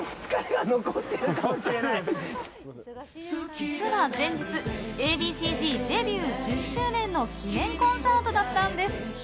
実は先日Ａ．Ｂ．Ｃ‐Ｚ、１０周年の記念コンサートだったんです。